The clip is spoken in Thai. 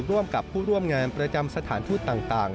ร่วมกับผู้ร่วมงานประจำสถานทูตต่าง